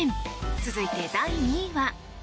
続いて、第２位は。